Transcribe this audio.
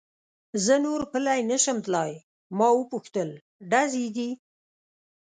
زه نور پلی نه شم تلای، ما و پوښتل: ډزې دي؟